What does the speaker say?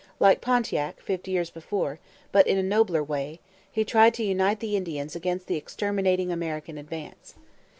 Like Pontiac, fifty years before, but in a nobler way, he tried to unite the Indians against the exterminating American advance.